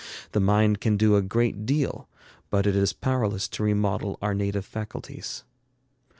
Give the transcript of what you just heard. The mind can do a great deal, but it is powerless to remodel our native faculties.